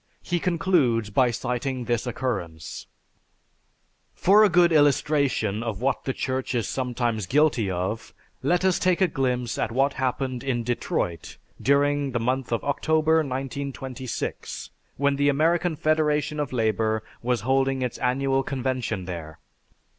He concludes by citing this occurrence: "For a good illustration of what the Church is sometimes guilty of let us take a glimpse at what happened in Detroit, during the month of October, 1926, when the American Federation of Labor was holding its annual convention there.